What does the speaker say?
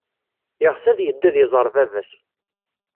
Yeɣs ad yeddu ad iẓer baba-s.